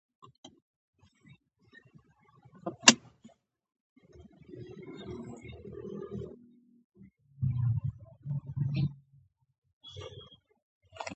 منهاټن برج د نیویارک سیټي مشهور پل دی.